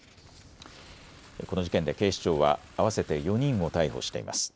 この事件で警視庁は合わせて４人を逮捕してます。